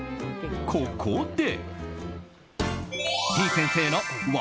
ここで。